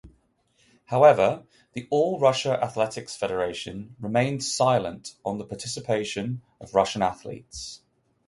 However the All Russia Athletics Federation remained silent on the participation of Russian athletes.